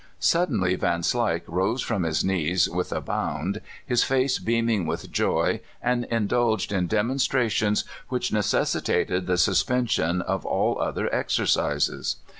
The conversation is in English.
Suddenly Vanslyke rose from his knees with a bound, his face beaming with joy, and in dulged in demonstrations which necessitated the suspension of all other exercises.